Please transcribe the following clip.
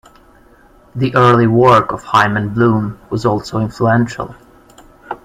The early work of Hyman Bloom was also influential.